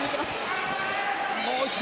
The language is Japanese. もう一度。